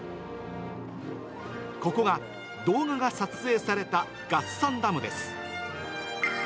ここが動画が撮影された月山ダムです。